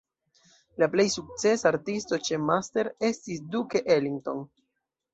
La plej sukcesa artisto ĉe Master estis Duke Ellington.